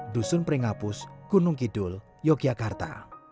dusun pringapus gunung kidul yogyakarta